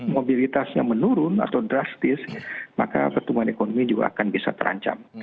mobilitasnya menurun atau drastis maka pertumbuhan ekonomi juga akan bisa terancam